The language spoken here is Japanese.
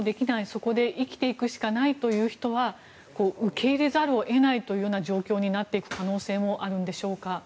そこで生きていくしかないという人は受け入れざるを得ない状態になる可能性もあるんでしょうか。